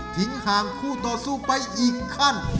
ห่างคู่ต่อสู้ไปอีกขั้น